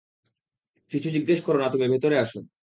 কিছু জিজ্ঞেস করো না তুমি ভেতরে আসো।